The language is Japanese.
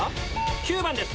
９番です